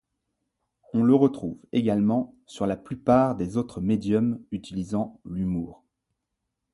On le retrouve également sur la plupart des autres médiums utilisant l'humour.